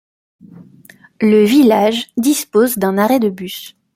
Le village dispose d'un arrêt de bus.